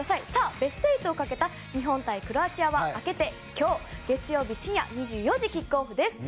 ベスト８をかけた日本対クロアチアは明けて今日、月曜日深夜２４時キックオフです。